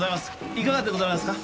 いかがでございますか？